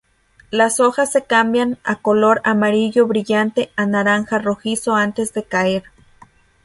Las hojas se cambian a color amarillo brillante a naranja rojizo antes de caer.